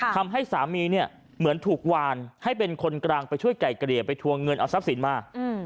ทำให้สามีเนี่ยเหมือนถูกวานให้เป็นคนกลางไปช่วยไก่เกลี่ยไปทวงเงินเอาทรัพย์สินมา